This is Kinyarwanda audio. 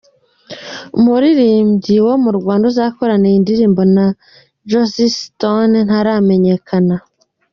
Umuririmbyi wo mu Rwanda uzakorana iyo ndirimbi na Josi Sitone ntaramenyekana.